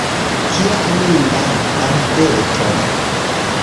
Kia aminda rideto!